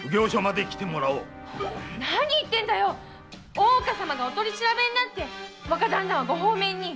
大岡様がお取り調べになって若旦那はご放免に！